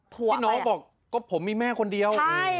ที่น้องบอกก็ผมมีแม่คนเดียว